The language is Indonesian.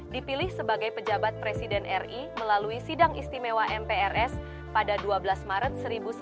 dipilih sebagai pejabat presiden ri melalui sidang istimewa mprs pada dua belas maret seribu sembilan ratus empat puluh lima